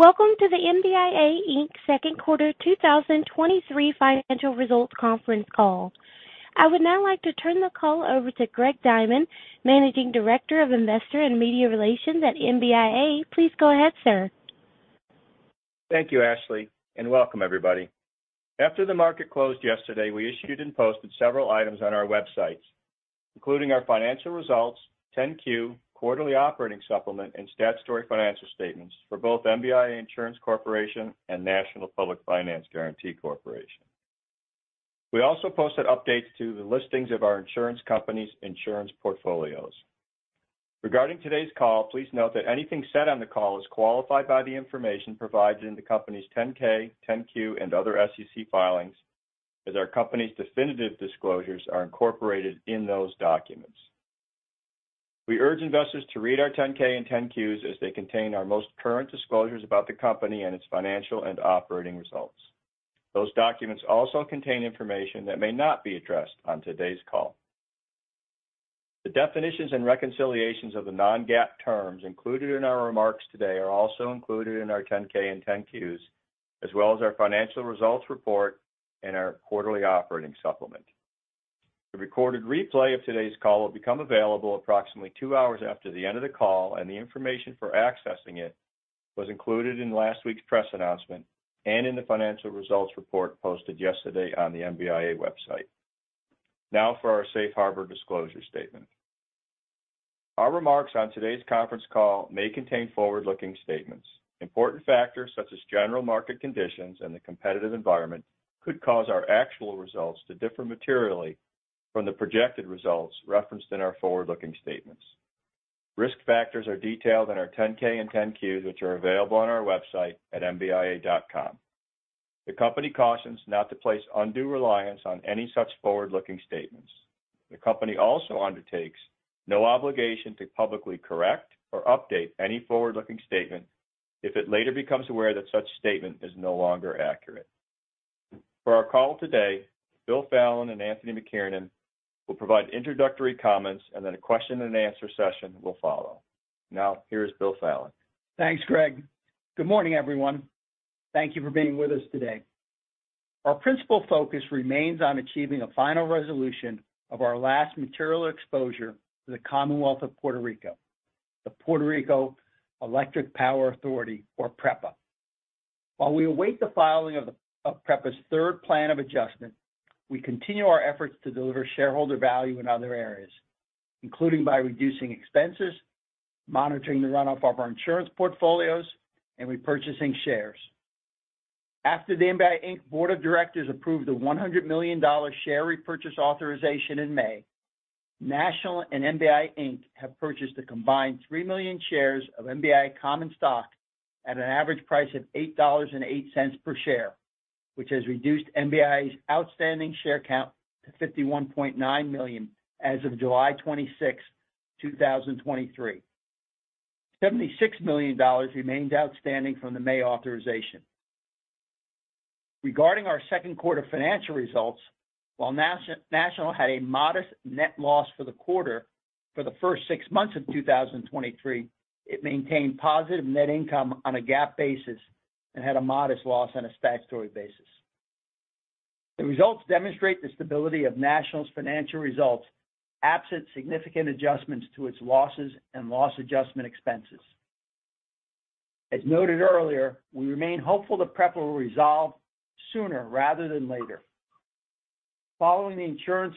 Welcome to the MBIA Inc. Second Quarter 2023 Financial Results Conference Call. I would now like to turn the call over to Greg Diamond, Managing Director, Investor and Media Relations at MBIA. Please go ahead, sir. Thank you, Ashley, and welcome everybody. After the market closed yesterday, we issued and posted several items on our websites, including our financial results, 10-Q, Quarterly Operating Supplement, and Statutory Financial Statements for both MBIA Insurance Corporation and National Public Finance Guarantee Corporation. We also posted updates to the listings of our insurance company's insurance portfolios. Regarding today's call, please note that anything said on the call is qualified by the information provided in the company's 10-K, 10-Q, and other SEC filings, as our company's definitive disclosures are incorporated in those documents. We urge investors to read our 10-K and 10-Qs as they contain our most current disclosures about the company and its financial and operating results. Those documents also contain information that may not be addressed on today's call. The definitions and reconciliations of the non-GAAP measures included in our remarks today are also included in our 10-K and 10-Qs, as well as our financial results report and our Quarterly Operating Supplement. The recorded replay of today's call will become available approximately two hours after the end of the call, the information for accessing it was included in last week's press announcement and in the financial results report posted yesterday on the MBIA website. For our Safe Harbor disclosure statement. Our remarks on today's conference call may contain forward-looking statements. Important factors such as general market conditions and the competitive environment, could cause our actual results to differ materially from the projected results referenced in our forward-looking statements. Risk Factors are detailed in our 10-K and 10-Qs, which are available on our website at mbia.com. The company cautions not to place undue reliance on any such forward-looking statements. The company also undertakes no obligation to publicly correct or update any forward-looking statement if it later becomes aware that such statement is no longer accurate. For our call today, Bill Fallon and Anthony McKiernan will provide introductory comments, and then a question and answer session will follow. Here's Bill Fallon. Thanks, Greg. Good morning, everyone. Thank you for being with us today. Our principal focus remains on achieving a final resolution of our last material exposure to the Commonwealth of Puerto Rico, the Puerto Rico Electric Power Authority, or PREPA. While we await the filing of PREPA's third plan of adjustment, we continue our efforts to deliver shareholder value in other areas, including by reducing expenses, monitoring the runoff of our insurance portfolios, and repurchasing shares. After the MBIA Inc. board of directors approved the $100 million share repurchase authorization in May, National and MBIA Inc. have purchased a combined 3 million shares of MBIA common stock at an average price of $8.08 per share, which has reduced MBIA's outstanding share count to 51.9 million as of July 26, 2023. $76 million remains outstanding from the May authorization. Regarding our second quarter financial results, while National had a modest net loss for the quarter, for the first six months of 2023, it maintained positive net income on a GAAP basis and had a modest loss on a statutory basis. The results demonstrate the stability of National's financial results, absent significant adjustments to its losses and loss adjustment expenses. As noted earlier, we remain hopeful that PREPA will resolve sooner rather than later. Following the insurance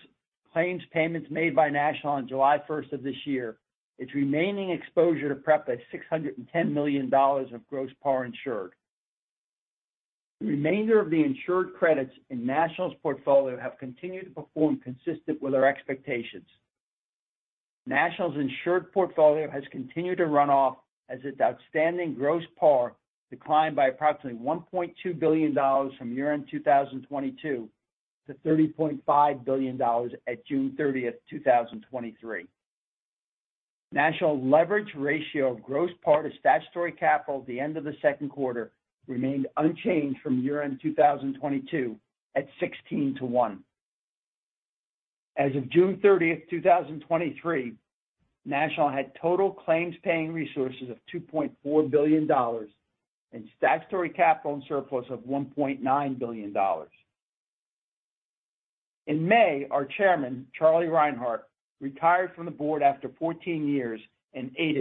claims payments made by National on July 1st of this year, its remaining exposure to PREPA is $610 million of gross par insured. The remainder of the insured credits in National's portfolio have continued to perform consistent with our expectations. National's insured portfolio has continued to run off as its outstanding gross par declined by approximately $1.2 billion from year-end 2022 to $30.5 billion at June 30th, 2023. National leverage ratio of gross par to statutory capital at the end of the second quarter remained unchanged from year-end 2022, at 16 to one. As of June 30th, 2023, National had total claims-paying resources of $2.4 billion and statutory capital and surplus of $1.9 billion. In May, our Chairman, Charlie Rinehart, retired from the board after 14 years and eight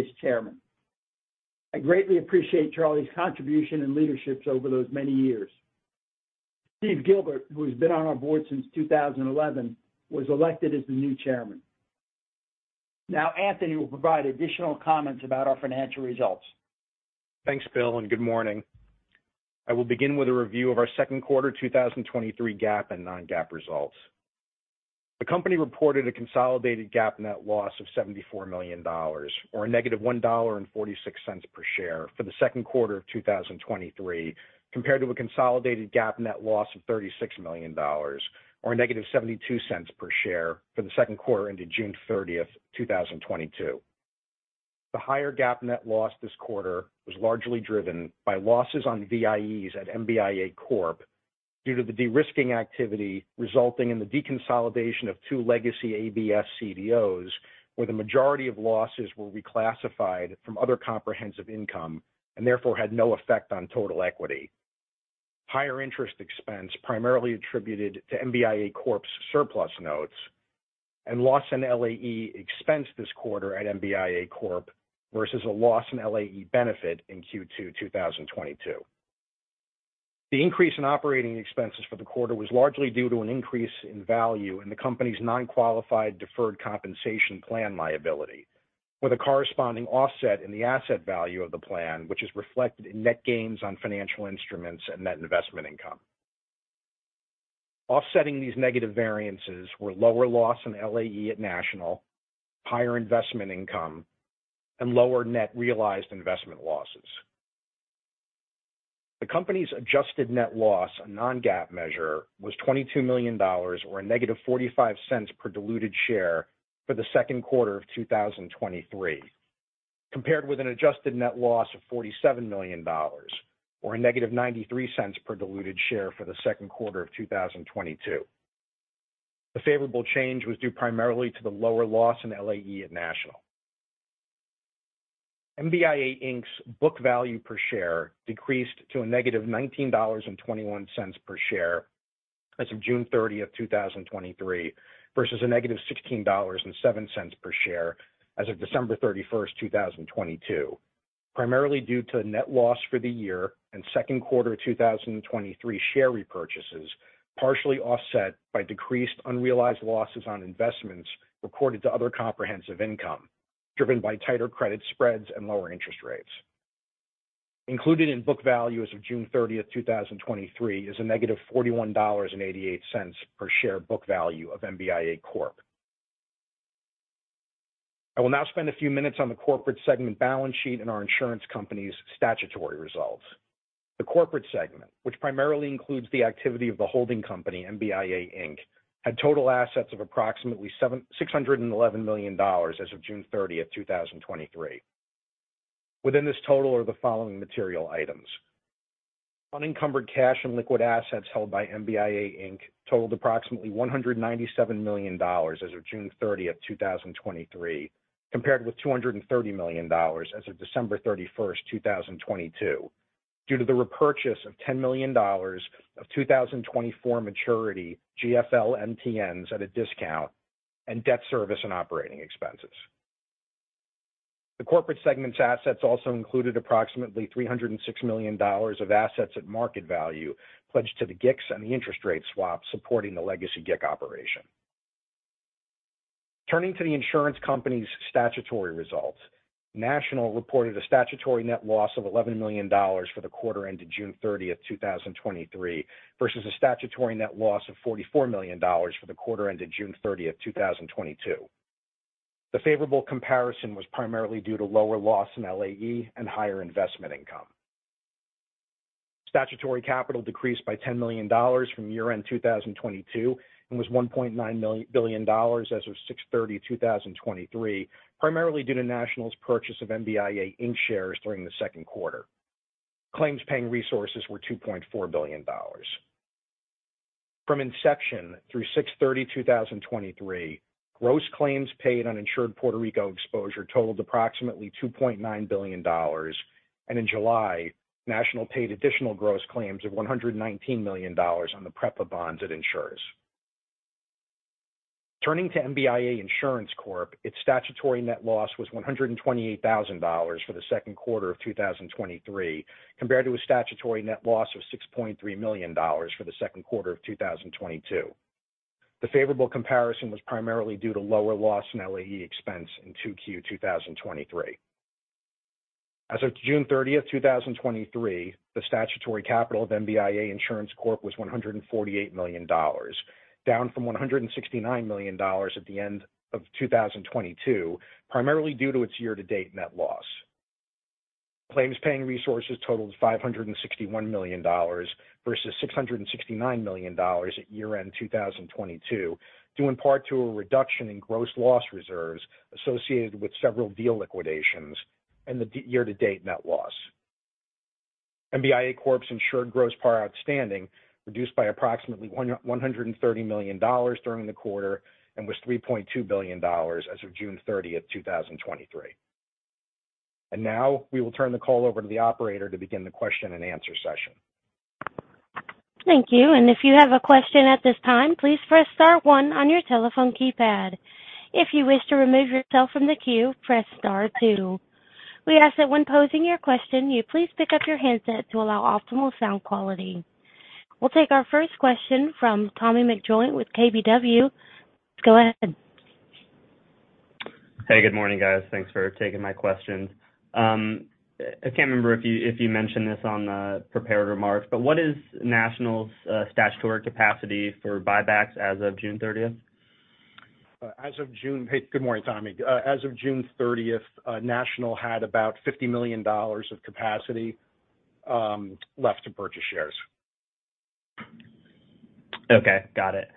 as chairman. I greatly appreciate Charlie's contribution and leaderships over those many years. Steve Gilbert, who has been on our board since 2011, was elected as the new Chairman. Now, Anthony will provide additional comments about our financial results. Thanks, Bill. Good morning. I will begin with a review of our second quarter 2023 GAAP and non-GAAP results. The company reported a consolidated GAAP net loss of $74 million, or a -$1.46 per share for the second quarter 2023, compared to a consolidated GAAP net loss of $36 million, or a -$0.72 per share for the second quarter ended June 30th, 2022. The higher GAAP net loss this quarter was largely driven by losses on VIEs at MBIA Corp. due to the de-risking activity, resulting in the deconsolidation of two legacy ABS CDOs, where the majority of losses were reclassified from other comprehensive income, and therefore had no effect on total equity. Higher interest expense primarily attributed to MBIA Corp.'s surplus notes, and loss and LAE expense this quarter at MBIA Corp., versus a loss and LAE benefit in Q2 2022. The increase in operating expenses for the quarter was largely due to an increase in value in the company's nonqualified deferred compensation plan liability, with a corresponding offset in the asset value of the plan, which is reflected in net gains on financial instruments and net investment income. Offsetting these negative variances were lower loss and LAE at National, higher investment income, and lower net realized investment losses. The company's adjusted net loss, a non-GAAP measure, was $22 million or a -$0.45 per diluted share for the second quarter of 2023, compared with an adjusted net loss of $47 million or a -$0.93 per diluted share for the second quarter of 2022. The favorable change was due primarily to the lower loss in LAE at National. MBIA Inc.'s book value per share decreased to a -$19.21 per share as of June 30th, 2023, versus a -$16.07 per share as of December 31st, 2022, primarily due to net loss for the year and second quarter 2023 share repurchases, partially offset by decreased unrealized losses on investments recorded to other comprehensive income, driven by tighter credit spreads and lower interest rates. Included in book value as of June 30th, 2023, is a -$41.88 per share book value of MBIA Corp. I will now spend a few minutes on the corporate segment balance sheet and our insurance company's statutory results. The corporate segment, which primarily includes the activity of the holding company, MBIA Inc, had total assets of approximately $611 million as of June 30th, 2023. Within this total are the following material items. Unencumbered cash and liquid assets held by MBIA Inc totaled approximately $197 million as of June 30th, 2023, compared with $230 million as of December 31, 2022, due to the repurchase of $10 million of 2024 maturity GFL MTNs at a discount and debt service and operating expenses. The corporate segment's assets also included approximately $306 million of assets at market value, pledged to the GICs and the interest rate swap supporting the legacy GIC operation. Turning to the insurance company's statutory results, National reported a statutory net loss of $11 million for the quarter ended June 30th, 2023, versus a statutory net loss of $44 million for the quarter ended June 30th, 2022. The favorable comparison was primarily due to lower loss in LAE and higher investment income. Statutory capital decreased by $10 million from year-end 2022, and was $1.9 billion as of 6/30/2023, primarily due to National's purchase of MBIA Inc. shares during the second quarter. Claims paying resources were $2.4 billion. From inception through 6/30/2023, gross claims paid on insured Puerto Rico exposure totaled approximately $2.9 billion, and in July, National paid additional gross claims of $119 million on the PREPA bonds it insures. Turning to MBIA Insurance Corp, its statutory net loss was $128,000 for the second quarter of 2023, compared to a statutory net loss of $6.3 million for the second quarter of 2022. The favorable comparison was primarily due to lower loss in LAE expense in 2Q 2023. As of June 30th, 2023, the statutory capital of MBIA Insurance Corp was $148 million, down from $169 million at the end of 2022, primarily due to its year-to-date net loss. claims-paying resources totaled $561 million versus $669 million at year-end 2022, due in part to a reduction in gross loss reserves associated with several deal liquidations and the year-to-date net loss. MBIA Corp.'s insured gross par outstanding, reduced by approximately $130 million during the quarter, and was $3.2 billion as of June 30th, 2023. Now, we will turn the call over to the operator to begin the question and answer session. Thank you. If you have a question at this time, please press star one on your telephone keypad. If you wish to remove yourself from the queue, press star two. We ask that when posing your question, you please pick up your handset to allow optimal sound quality. We'll take our first question from Tommy McJoynt with KBW. Go ahead. Hey, good morning, guys. Thanks for taking my questions. I can't remember if you, if you mentioned this on the prepared remarks, but what is National's statutory capacity for buybacks as of June 30th? Hey, good morning, Tommy. As of June 30th, National had about $50 million of capacity left to purchase shares. Okay, got it.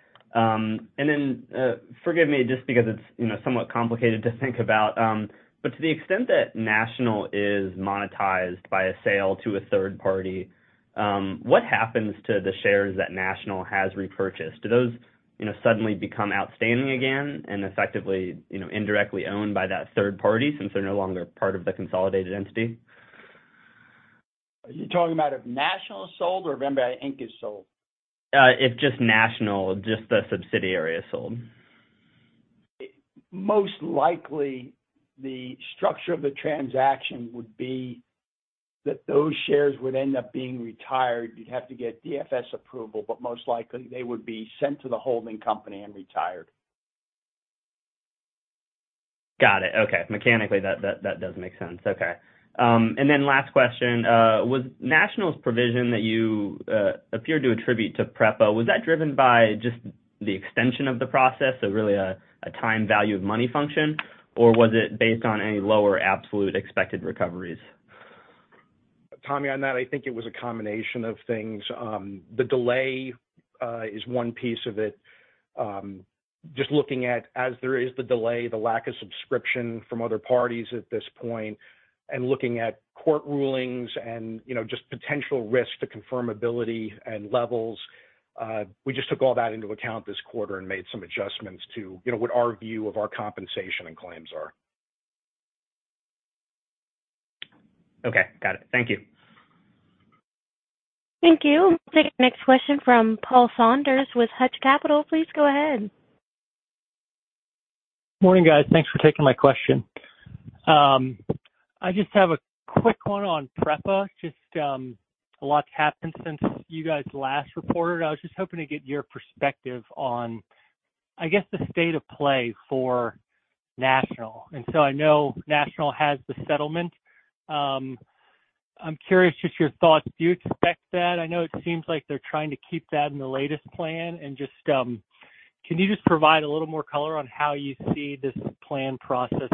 Forgive me, just because it's, you know, somewhat complicated to think about. To the extent that National is monetized by a sale to a third party, what happens to the shares that National has repurchased? Do those, you know, suddenly become outstanding again and effectively, you know, indirectly owned by that third party since they're no longer part of the consolidated entity? Are you talking about if National is sold or if MBIA Inc. is sold? If just National, just the subsidiary is sold. Most likely, the structure of the transaction would be that those shares would end up being retired. You'd have to get DFS approval, but most likely they would be sent to the holding company and retired. Got it. Okay. Mechanically, that, that, that does make sense. Okay. Then last question. Was National's provision that you appeared to attribute to PREPA, was that driven by just the extension of the process, so really a, a time value of money function, or was it based on any lower absolute expected recoveries? Tommy, on that, I think it was a combination of things. The delay is one piece of it. Just looking at, as there is the delay, the lack of subscription from other parties at this point, and looking at court rulings and, you know, just potential risk to confirm ability and levels. We just took all that into account this quarter and made some adjustments to, you know, what our view of our compensation and claims are. Okay. Got it. Thank you. Thank you. We'll take the next question from Paul Saunders with Hutch Capital. Please go ahead. Morning, guys. Thanks for taking my question. I just have a quick one on PREPA. Just, a lot's happened since you guys last reported. I was just hoping to get your perspective on, I guess, the state of play for National. I know National has the settlement. I'm curious just your thoughts, do you expect that? I know it seems like they're trying to keep that in the latest Plan. Can you just provide a little more color on how you see this Plan process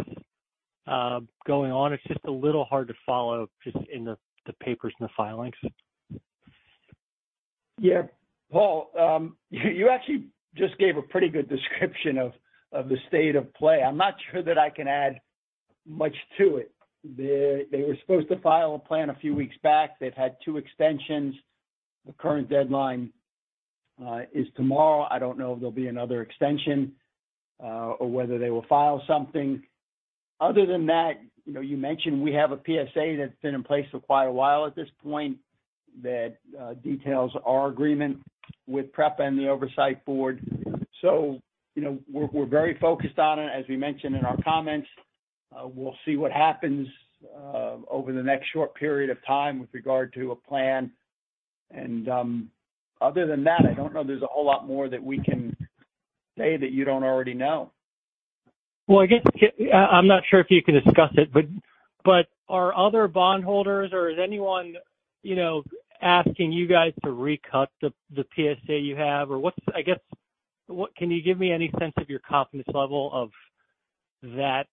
going on? It's just a little hard to follow just in the papers and the filings. Yeah. Paul, you, you actually just gave a pretty good description of, of the state of play. I'm not sure that I can add much to it. They, they were supposed to file a plan a few weeks back. They've had two extensions. The current deadline is tomorrow. I don't know if there'll be another extension or whether they will file something. Other than that, you know, you mentioned we have a PSA that's been in place for quite a while at this point, that details our agreement with PREPA and the oversight board. You know, we're, we're very focused on it, as we mentioned in our comments. We'll see what happens over the next short period of time with regard to a plan. Other than that, I don't know there's a whole lot more that we can say that you don't already know. Well, I guess, I'm not sure if you can discuss it, but are other bondholders or is anyone, you know, asking you guys to recut the, the PSA you have? Can you give me any sense of your confidence level of that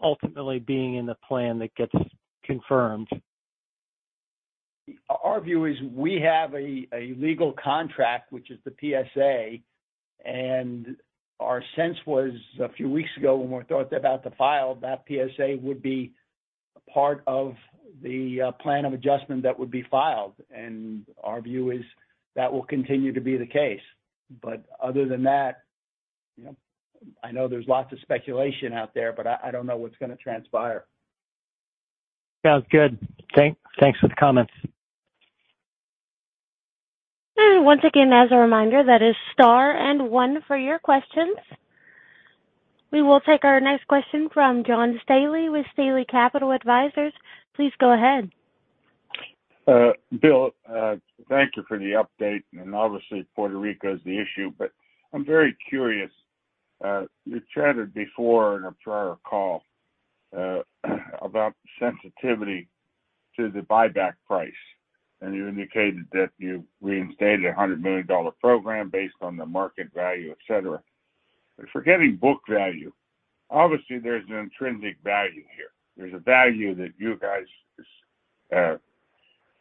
ultimately being in the plan that gets confirmed? Our view is we have a, a legal contract, which is the PSA, and our sense was a few weeks ago, when we thought about the file, that PSA would be part of the plan of adjustment that would be filed, and our view is that will continue to be the case. Other than that, you know, I know there's lots of speculation out there, but I, I don't know what's going to transpire. Sounds good. Thanks for the comments. Once again, as a reminder, that is star and one for your questions. We will take our next question from John Staley with Staley Capital Advisers. Please go ahead. Bill, thank you for the update, and obviously Puerto Rico is the issue, but I'm very curious. You chatted before in a prior call about sensitivity to the buyback price, and you indicated that you reinstated a $100 million program based on the market value, et cetera. Forgetting book value, obviously there's an intrinsic value here. There's a value that you guys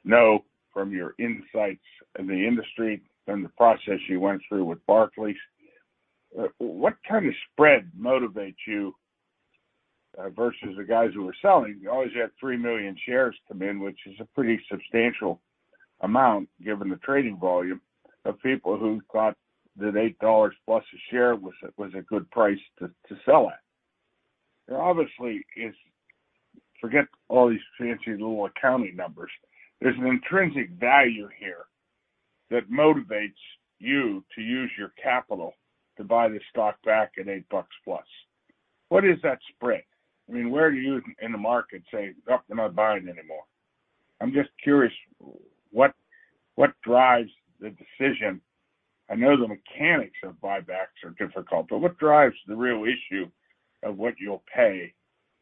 know from your insights in the industry and the process you went through with Barclays. What kind of spread motivates you versus the guys who are selling? You always have 3 million shares come in, which is a pretty substantial amount, given the trading volume of people who thought that $8+ a share was a, was a good price to, to sell at. There obviously is... Forget all these fancy little accounting numbers. There's an intrinsic value here that motivates you to use your capital to buy the stock back at $8+. What is that spread? I mean, where are you in the market saying, "Oh, I'm not buying anymore"? I'm just curious, what drives the decision? I know the mechanics of buybacks are difficult, but what drives the real issue of what you'll pay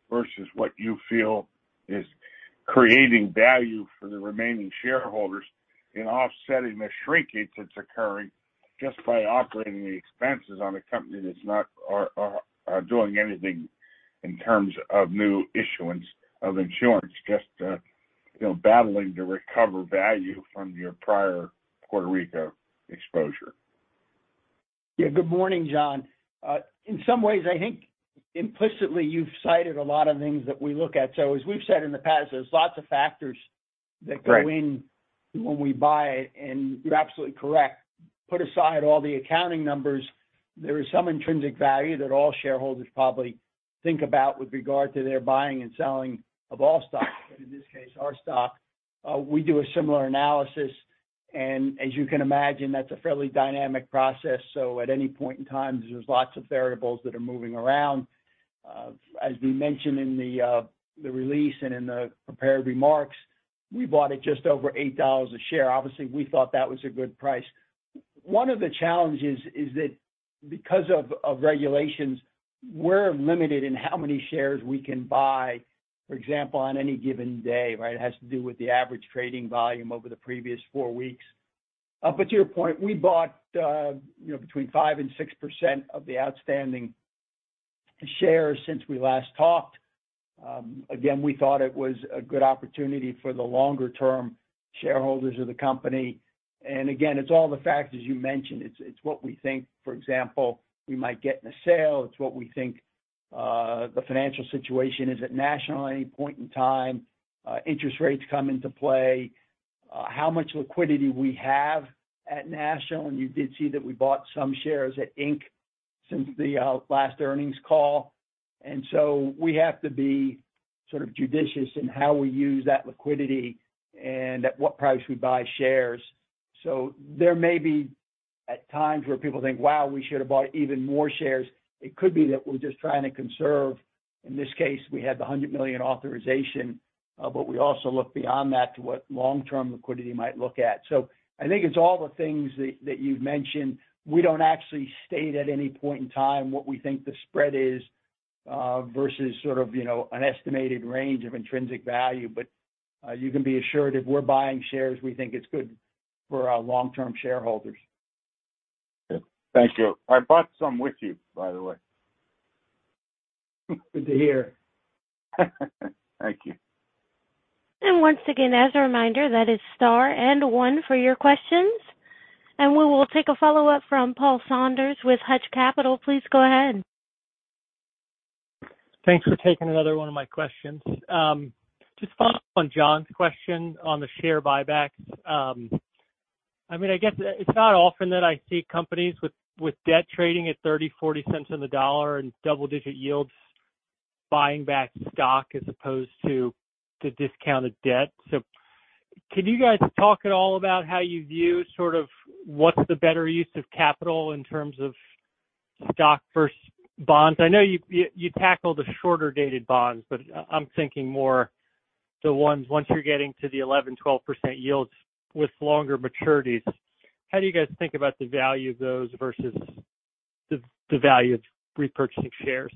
versus what you feel is creating value for the remaining shareholders in offsetting the shrinkage that's occurring just by operating the expenses on a company that's not are doing anything in terms of new issuance of insurance?... you know, battling to recover value from your prior Puerto Rico exposure? Yeah. Good morning, John. In some ways, I think implicitly, you've cited a lot of things that we look at. As we've said in the past, there's lots of factors. Right. That go in when we buy. You're absolutely correct. Put aside all the accounting numbers, there is some intrinsic value that all shareholders probably think about with regard to their buying and selling of all stocks, but in this case, our stock. We do a similar analysis, and as you can imagine, that's a fairly dynamic process. At any point in time, there's lots of variables that are moving around. As we mentioned in the release and in the prepared remarks, we bought it just over $8 a share. Obviously, we thought that was a good price. One of the challenges is that because of regulations, we're limited in how many shares we can buy, for example, on any given day, right? It has to do with the average trading volume over the previous four weeks. To your point, we bought, you know, between 5%-6% of the outstanding shares since we last talked. Again, we thought it was a good opportunity for the longer-term shareholders of the company. Again, it's all the factors you mentioned. It's, it's what we think, for example, we might get in a sale. It's what we think, the financial situation is at National at any point in time, interest rates come into play, how much liquidity we have at National, and you did see that we bought some shares at INC since the last earnings call. So we have to be sort of judicious in how we use that liquidity and at what price we buy shares. There may be, at times, where people think, "Wow, we should have bought even more shares." It could be that we're just trying to conserve. In this case, we had the $100 million authorization, but we also look beyond that to what long-term liquidity might look at. I think it's all the things that, that you've mentioned. We don't actually state at any point in time what we think the spread is, versus sort of, you know, an estimated range of intrinsic value. You can be assured if we're buying shares, we think it's good for our long-term shareholders. Thank you. I bought some with you, by the way. Good to hear. Thank you. once again, as a reminder, that is star and one for your questions, and we will take a follow-up from Paul Saunders with Hutch Capital. Please go ahead. Thanks for taking another one of my questions. Just follow up on John's question on the share buybacks. I mean, I guess it's not often that I see companies with, with debt trading at $0.30-$0.40 on the dollar and double-digit yields buying back stock as opposed to the discounted debt. Can you guys talk at all about how you view sort of what's the better use of capital in terms of stock versus bonds? I know you, you, you tackled the shorter-dated bonds. I'm thinking more the ones, once you're getting to the 11%-12% yields with longer maturities. How do you guys think about the value of those versus the, the value of repurchasing shares?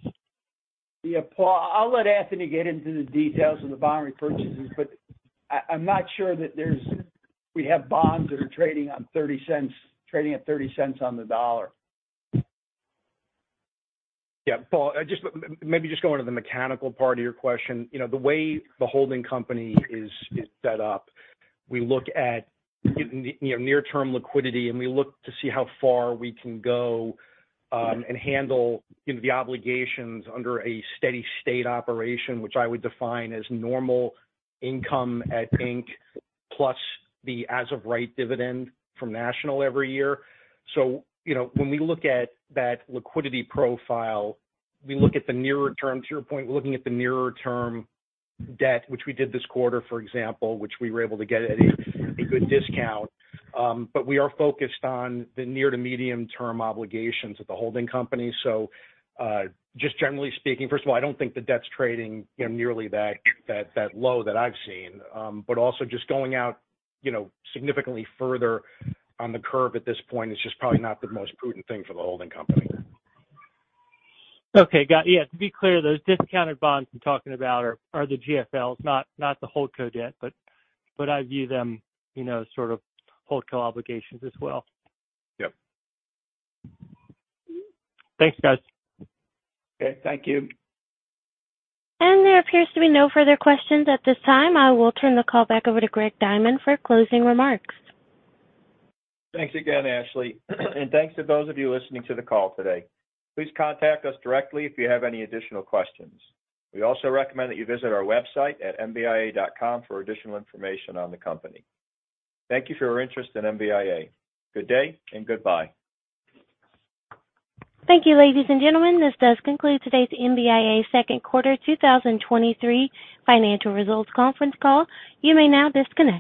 Yeah, Paul, I'll let Anthony get into the details of the bond repurchases, but I'm not sure that we have bonds that are trading on $0.30, trading at $0.30 on the dollar. Yeah, Paul, just maybe just going to the mechanical part of your question. You know, the way the holding company is, is set up, we look at, you know, near-term liquidity, and we look to see how far we can go, and handle, you know, the obligations under a steady state operation, which I would define as normal income at INC, plus the as-of-right dividend from National every year. When we look at that liquidity profile, we look at the nearer term, to your point, looking at the nearer-term debt, which we did this quarter, for example, which we were able to get at a good discount. But we are focused on the near-to-medium term obligations of the holding company. Just generally speaking, first of all, I don't think the debt's trading, you know, nearly that, that, that low that I've seen. Also just going out, you know, significantly further on the curve at this point is just probably not the most prudent thing for the holding company. Okay, got it. Yeah, to be clear, those discounted bonds I'm talking about are, are the GFLs, not, not the holdco debt, but, but I view them, you know, sort of holdco obligations as well. Yep. Thanks, guys. Okay, thank you. There appears to be no further questions at this time. I will turn the call back over to Greg Diamond for closing remarks. Thanks again, Ashley. Thanks to those of you listening to the call today. Please contact us directly if you have any additional questions. We also recommend that you visit our website at mbia.com for additional information on the company. Thank you for your interest in MBIA. Good day and goodbye. Thank you, ladies and gentlemen. This does conclude today's MBIA Second Quarter 2023 Financial Results Conference Call. You may now disconnect.